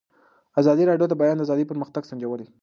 ازادي راډیو د د بیان آزادي پرمختګ سنجولی.